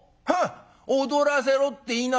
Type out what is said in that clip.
『踊らせろ』って言いなさい。